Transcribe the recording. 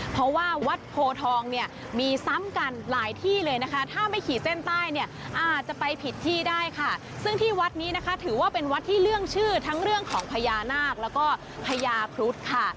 เพราะว่าวัดโพทองเนี่ยมีซ้ำกันหลายที่เลยนะคะถ้าไม่ขี่เส้นใต้เนี่ยอาจจะไปผิดที่ได้ค่ะซึ่งที่วัดนี้นะคะถือว่าเป็นวัดที่เรื่องชื่อทั้งเรื่องของพญานาคแล้วก็พญาครุฑค่ะ